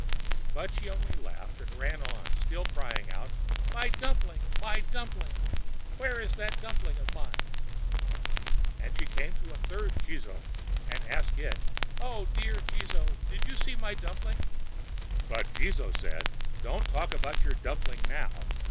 But she only laughed and ran on, still crying out: "My dumpling! my dumpling! Where is that dumpling of mine?" And she came to a third Jizō, and asked it: "O dear Jizō, did you see my dumpling?" But Jizō said: "Don't talk about your dumpling now.